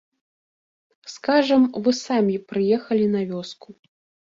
Скажам, вы самі прыехалі на вёску.